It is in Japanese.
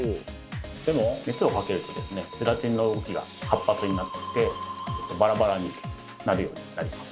でも熱をかけるとですねゼラチンの動きが活発になってきてバラバラになるようになります。